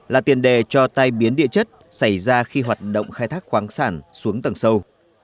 là tiền đề cho tai biến địa chất xảy ra khi hoạt động khai thác khoáng sản xuống tầng sâu